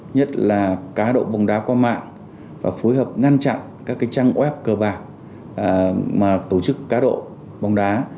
nhất là cá độ bóng đá qua mạng và phối hợp ngăn chặn các trang web cơ bạc mà tổ chức cá độ bóng đá